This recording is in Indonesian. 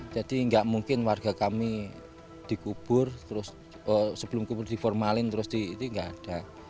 jadi nggak mungkin warga kami dikubur sebelum kubur diformalin terus dikubur itu nggak ada